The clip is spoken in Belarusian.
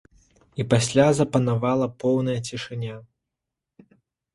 І пасля запанавала поўная цішыня.